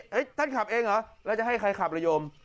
ท่านขับเองเหรอแล้วจะให้ใครขับระยม